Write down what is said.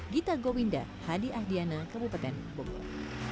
gita gowinda hadi ahdiana kabupaten bogor